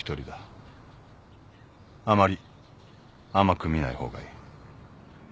あまり甘く見ない方がいい。